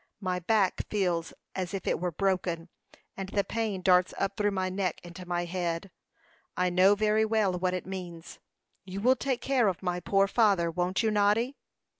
My back feels as if it was broken, and the pain darts up through my neck into my head. I know very well what it means. You will take care of my poor father won't you, Noddy?"